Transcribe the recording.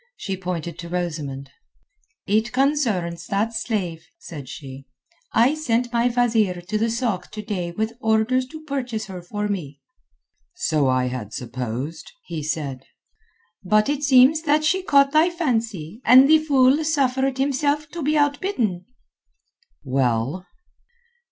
She pointed to Rosamund. "It concerns that slave," said she. "I sent my wazeer to the sôk to day with orders to purchase her for me." "So I had supposed," he said. "But it seems that she caught thy fancy, and the fool suffered himself to be outbidden." "Well?"